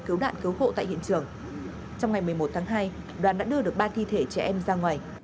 cứu nạn cứu hộ tại hiện trường trong ngày một mươi một tháng hai đoàn đã đưa được ba thi thể trẻ em ra ngoài